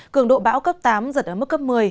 cường độ bão cấp tám giật ở mức cấp một mươi